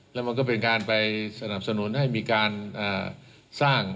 แล้วมันก็เป็นการไปสนับสนุนให้มีการสร้าง